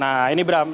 nah ini bram